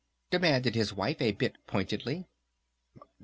demanded his wife a bit pointedly.